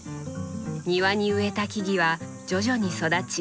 庭に植えた木々は徐々に育ち